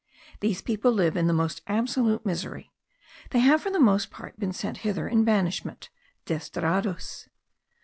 These people live in the most absolute misery; they have for the most part been sent hither in banishment (desterrados).